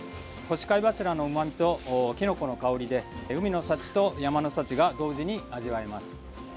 干し貝柱のうまみとキノコの香りで海の幸と山の幸が同時に味わえます。